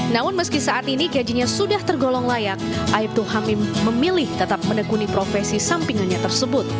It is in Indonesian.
namun meski saat ini gajinya sudah tergolong layak aibtu hamim memilih tetap menekuni profesi sampingannya tersebut